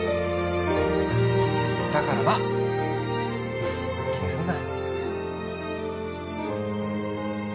だからまあ気にすんな。